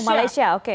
oh malaysia oke